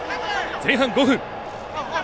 前半５分。